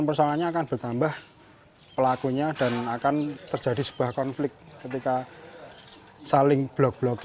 persoalannya akan bertambah pelakunya dan akan terjadi sebuah konflik ketika saling blok blok g